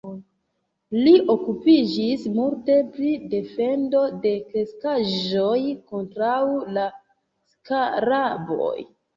Li okupiĝis multe pri defendo de kreskaĵoj kontraŭ la skaraboj.